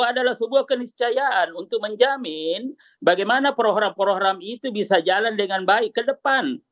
adalah sebuah keniscayaan untuk menjamin bagaimana program program itu bisa jalan dengan baik ke depan